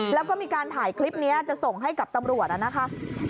แล้วก็มีการถ่ายคลิปนี้จะส่งให้กับตำรวจนะคะ